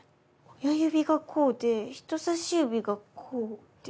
親指がこうで人さし指がこうで。